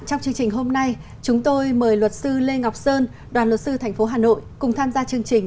trong chương trình hôm nay chúng tôi mời luật sư lê ngọc sơn đoàn luật sư tp hcm cùng tham gia chương trình